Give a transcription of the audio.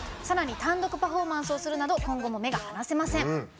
さらに単独パフォーマンスをするなど今後も目が離せません。